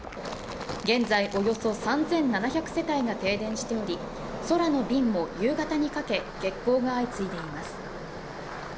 現在、およそ３７００世帯が停電しており、空の便も夕方にかけ、欠航が相次いでいます。